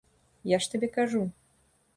Я ж табе кажу.